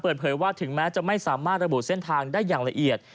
เปิดเผยว่าถึงแม้จะไม่สามารถระบุเส้นทางได้อย่างละเอียด